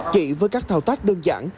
chỉ với các thao tác đơn giản